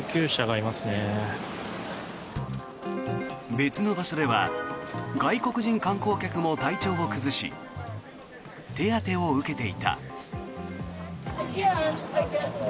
別の場所では外国人観光客も体調を崩し手当てを受けていた。